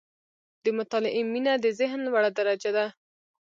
• د مطالعې مینه، د ذهن لوړه درجه ده.